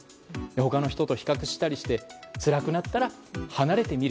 他の人と比較したりしてつらくなったら離れてみる。